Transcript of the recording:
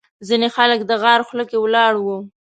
ځینې خلک د غار خوله کې ولاړ وو.